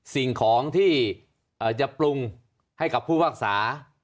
สิ่งของที่จะปรุงให้กับผู้พักษา